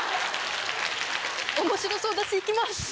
面白そうだし行きます！